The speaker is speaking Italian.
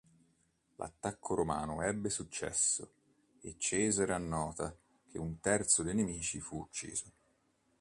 L'attacco romano ebbe successo, e Cesare annota che un terzo dei nemici fu ucciso.